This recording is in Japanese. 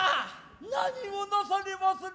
何をなされまする。